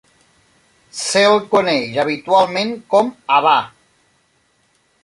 Se'l coneix habitualment com Havà.